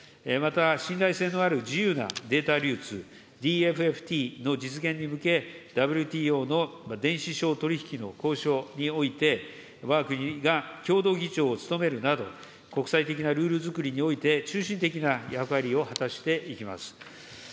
また、信頼性のある自由なデータ流通・ＤＦＦＴの実現に向け、ＷＴＯの電子商取引の交渉において、わが国が共同議長を務めるなど、国際的なルールづくりにおいて中心的な役割を果たしていきます。